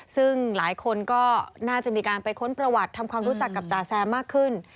ซึ่งหลายคนก็น่าจะมีการไปค้นประวัติทำความรู้จักกับจ๋าแซมมากขึ้น